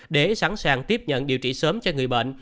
để sẵn sàng tiếp nhận điều trị sớm cho người bệnh